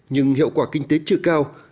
nhưng hiệu quả kinh tế chưa cao